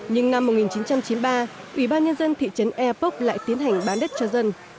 nhưng năm một nghìn chín trăm chín mươi ba ủy ban nhân dân thị trấn eapok lại tiến hành bán đất cho dân